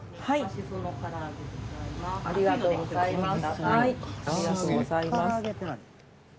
ありがとうございます。